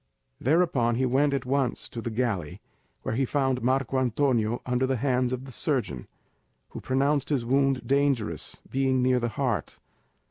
Thereupon he went at once to the galley, where he found Marco Antonio under the hands of the surgeon, who pronounced his wound dangerous, being near the heart.